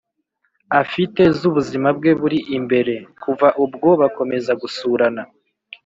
afite z’ubuzima bwe buri imbere. Kuva ubwo bakomeza gusurana,